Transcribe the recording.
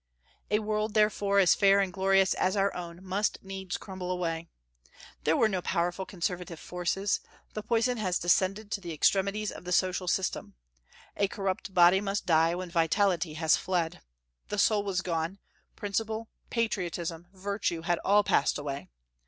A world therefore as fair and glorious as our own must needs crumble away. There were no powerful conservative forces; the poison had descended to the extremities of the social system. A corrupt body must die when vitality has fled. The soul was gone; principle, patriotism, virtue, had all passed away.